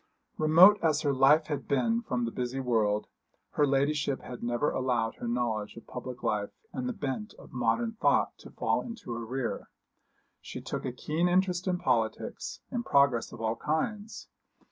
Remote as her life had been from the busy world, her ladyship had never allowed her knowledge of public life and the bent of modern thought to fall into arrear. She took a keen interest in politics, in progress of all kinds.